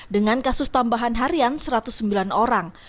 dengan kasus tambahan harian satu ratus sembilan orang